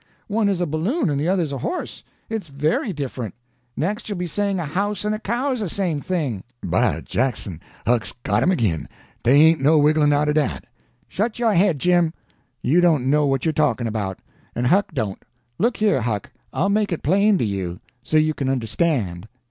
One is a balloon and the other's a horse. It's very different. Next you'll be saying a house and a cow is the same thing." "By Jackson, Huck's got him ag'in! Dey ain't no wigglin' outer dat!" "Shut your head, Jim; you don't know what you're talking about. And Huck don't. Look here, Huck, I'll make it plain to you, so you can understand.